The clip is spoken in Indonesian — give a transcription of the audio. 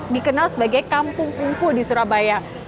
dikenal sebagai kampung ungku di surabaya